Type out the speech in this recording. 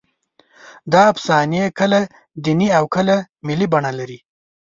دا افسانې کله دیني او کله ملي بڼه لري.